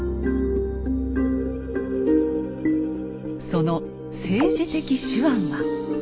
その政治的手腕は？